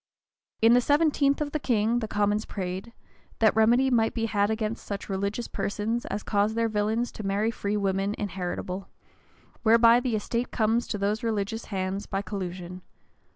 [] In the seventeenth of the king, the commons prayed, "that remedy might be had against such religious persons as cause their villains to marry free women inheritable, whereby the estate comes to those religious hands by collusion."